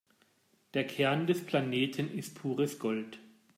Der Kern des Planeten ist pures Gold.